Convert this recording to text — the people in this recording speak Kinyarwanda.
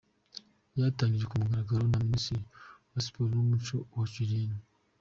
Ryatangijwe ku mugaragaro na Minisitiri wa Siporo n’Umuco, Uwacu Julienne.